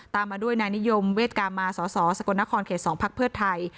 ตามมาด้วยนายนิยมเวชกามาสศสกนครข๒ภไทย